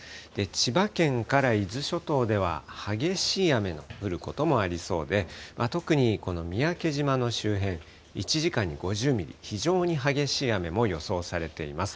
千葉県から伊豆諸島では激しい雨の降ることもありそうで、特にこの三宅島の周辺、１時間に５０ミリ、非常に激しい雨も予想されています。